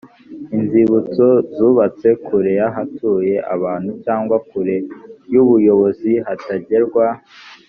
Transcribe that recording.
inzibutso zubatse kure y ahatuye abantu cyangwa kure y ubuyobozi hatagerwa